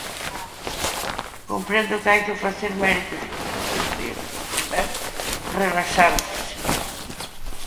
Comprendo que hai que facer méritos, pero eu creo que convén relaxarse.